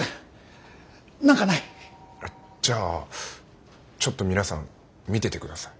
じゃあちょっと皆さん見てて下さい。